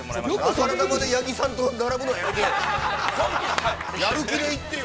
◆そんなことで、八木さんと、並ぶのやめてよ。